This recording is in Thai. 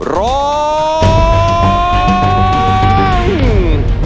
ร้อง